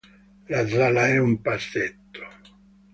La sala è un passetto.